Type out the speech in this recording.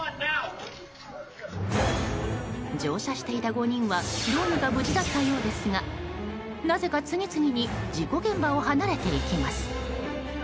乗車していた５人はどうにか無事だったようですがなぜか次々に事故現場を離れていきます。